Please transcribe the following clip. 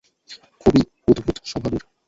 খুবই উদ্ভুত স্বভাবের!